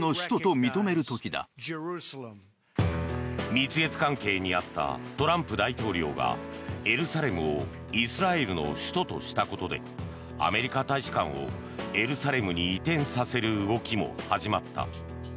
蜜月関係にあったトランプ大統領がエルサレムをイスラエルの首都としたことでアメリカ大使館をエルサレムに移転させる動きも始まった。